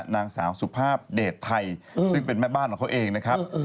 นางสาวสุภาพเดชไทยซึ่งเป็นแม่บ้านของเขาเองนะครับ